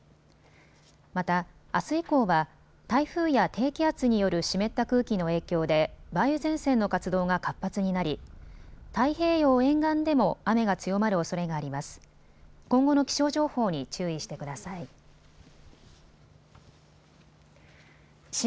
また、あす以降は台風や低気圧による湿った空気の影響で梅雨前線の活動が活発になり太平洋沿岸でも雨が強まるおそれがあります。